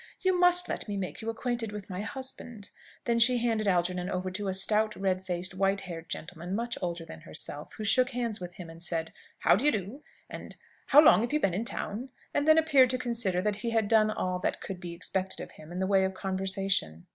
You must let me make you acquainted with my husband." Then she handed Algernon over to a stout, red faced, white haired gentleman, much older than herself, who shook hands with him, said, "How d'ye do?" and "How long have you been in town?" and then appeared to consider that he had done all that could be expected of him in the way of conversation.